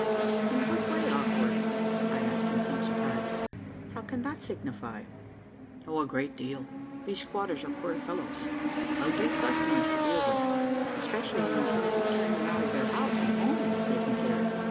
"In what way awkward?" I asked in some surprise. "How can that signify?" "A great deal. These squatters are queer fellows ugly customers to deal with especially when you come to turn them out of their house and home, as they consider it.